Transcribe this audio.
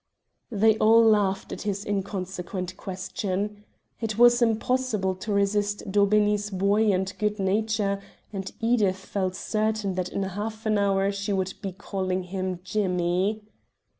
They all laughed at this inconsequent question. It was impossible to resist Daubeney's buoyant good nature, and Edith felt certain that in half an hour she would be calling him "Jimmy."